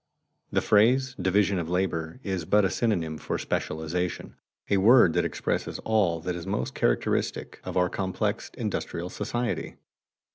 The phrase division of labor is but a synonym for specialization, a word that expresses all that is most characteristic of our complex industrial society.